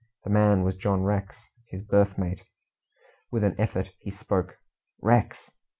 The man was John Rex, his berth mate. With an effort he spoke. "Rex!"